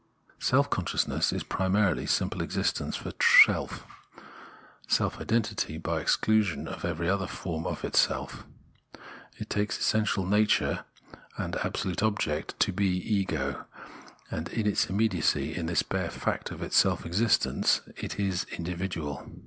Self consciousness is primarily simple existence for self, self identity by exclusion of every other from itself. It takes its essential nature and absolute object to be Ego ; and in this immediacy, in this bare fact of its self existence, it is individual.